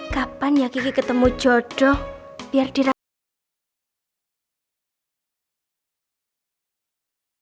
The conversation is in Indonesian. kapan ya gigi ketemu jodoh biar dirawat